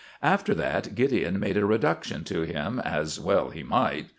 After that Gideon made a reduction to him, as well he might.